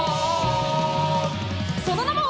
「その名も！」